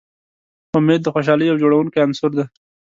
امید د خوشحالۍ یو جوړوونکی عنصر دی.